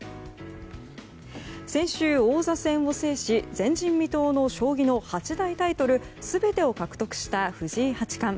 先週、王座戦を制し前人未到の将棋の八大タイトル全てを獲得した藤井八冠。